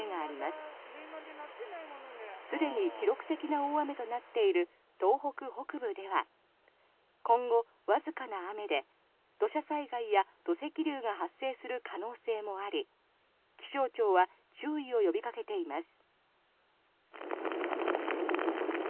すでに記録的な大雨となっている東北北部では今後、わずかな雨で土砂災害や土石流が発生する可能性もあり気象庁は注意を呼びかけています。